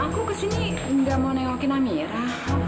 aku kesini gak mau neokin amira